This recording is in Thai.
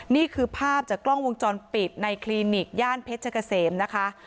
นี่คือภาพจากกล้องวงจรปิดในคลินิกย่านเพชรเกษมนะคะ